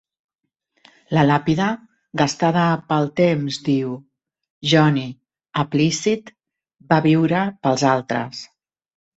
La làpida gastada pel temps diu, Johnny Appleseed Va viure pels altres.